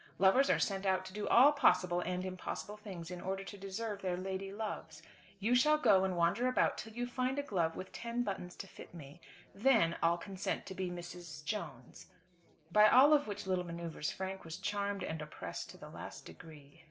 Lovers are sent out to do all possible and impossible things in order to deserve their lady loves. You shall go and wander about till you find a glove with ten buttons to fit me, then I'll consent to be Mrs. Jones." By all of which little manoeuvres Frank was charmed and oppressed to the last degree.